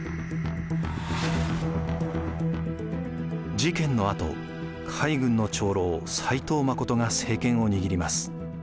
事件のあと海軍の長老斎藤実が政権を握ります。